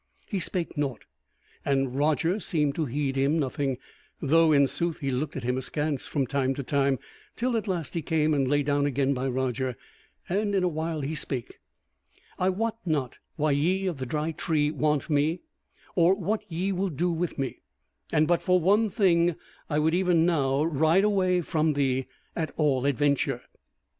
He spake nought, and Roger seemed to heed him nothing, though in sooth he looked at him askance from time to time, till at last he came and lay down again by Roger, and in a while he spake: "I wot not why ye of the Dry Tree want me, or what ye will do with me; and but for one thing I would even now ride away from thee at all adventure."